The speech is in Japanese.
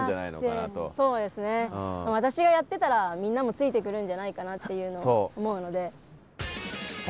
私がやってたらみんなもついてくるんじゃないかなっていうのを思うので。